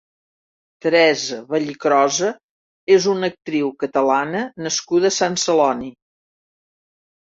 Teresa Vallicrosa és una actriu Catalana nascuda a Sant Celoni.